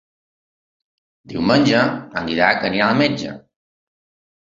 Diumenge en Dídac anirà al metge.